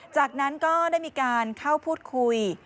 จากนั้นก็ได้มีการเข้าพูดคุย